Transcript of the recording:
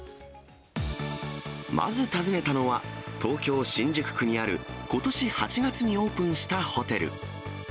まず訪ねたのは、東京・新宿区にあることし８月にオープンしたホテル。